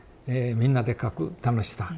みんなで描く楽しさ。